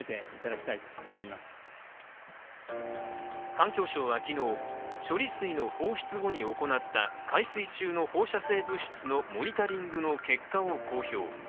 環境省は昨日、処理水の放出後に行った海水中の放射性物質のモニタリングの結果を公表。